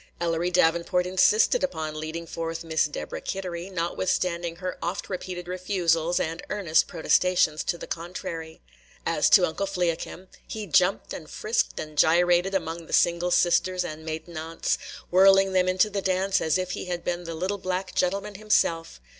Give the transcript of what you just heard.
Ellery Davenport insisted upon leading forth Miss Deborah Kittery, notwithstanding her oft repeated refusals and earnest protestations to the contrary. As to Uncle Fliakim, he jumped and frisked and gyrated among the single sisters and maiden aunts, whirling them into the dance as if he had been the little black gentleman himself.